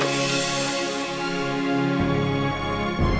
aku akan siap